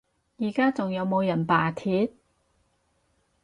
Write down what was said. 而家仲有冇人罷鐵？